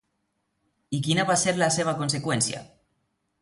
I quina va ser la seva conseqüència?